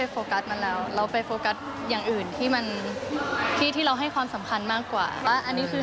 ก็จะเห็นว่าหนูอยู่กับเพื่อนทุกวัน